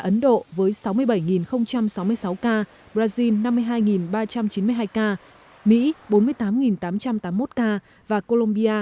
ấn độ với sáu mươi bảy sáu mươi sáu ca brazil năm mươi hai ba trăm chín mươi hai ca mỹ bốn mươi tám tám trăm tám mươi một ca và colombia một mươi hai sáu mươi sáu ca